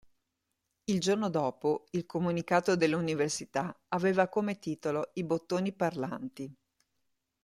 Il giorno dopo il comunicato dell'Università aveva come titolo "i bottoni parlanti".